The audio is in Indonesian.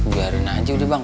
biarin aja bang